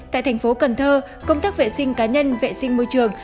tại tp cn công tác vệ sinh cá nhân vệ sinh môi trường